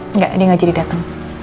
engga dia gak jadi dateng